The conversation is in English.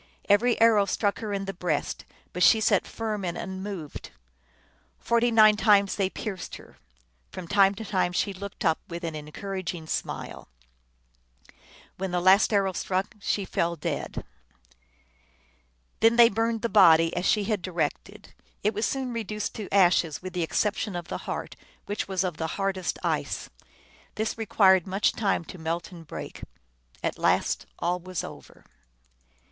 Every arrow struck her in the breast, but she sat firm and unmoved. Forty nine times they pierced her ; from time to time she looked up with an encouraging smile. When the last arrow struck she fell dead. Then they burned the body, as she had directed. It was soon reduced to ashes, with the exception of the heart, which was of the hardest ice. This re quired much time to melt and break. At last all was over.